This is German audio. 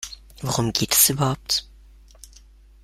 Worum geht es überhaupt?